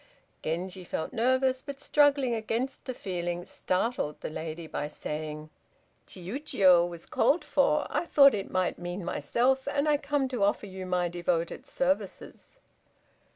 Genji felt nervous, but struggling against the feeling, startled the lady by saying: "Chiûjiô was called for, I thought it might mean myself, and I come to offer you my devoted services."